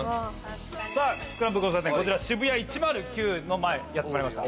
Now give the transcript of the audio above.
さあスクランブル交差点こちらＳＨＩＢＵＹＡ１０９の前やってまいりました。